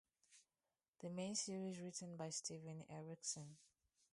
The main series written by Steven Erikson.